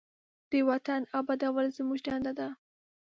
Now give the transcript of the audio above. د وطن آبادول زموږ دنده ده.